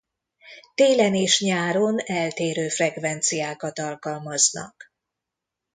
Télen és nyáron eltérő frekvenciákat alkalmaznak.